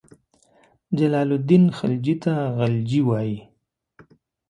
جلال الدین خلجي ته غلجي وایي.